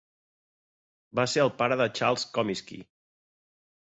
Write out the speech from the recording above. Va ser el pare de Charles Comiskey.